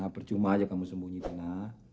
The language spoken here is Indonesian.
percuma aja kamu sembunyi tina